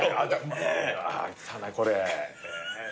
きたなこれ。